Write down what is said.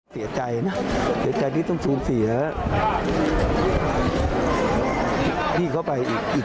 เราก็ไม่เคยเรียกหวัญจิตเรียกพี่เกลพี่เกลแต่ก็